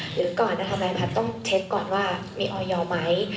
หรือก่อนจะทำอะไรต้องเช็คก่อนว่ามีออยอมไหม